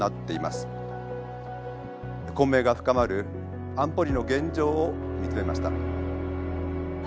混迷が深まる安保理の現状を見つめました。